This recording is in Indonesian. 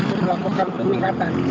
untuk melakukan peningkatan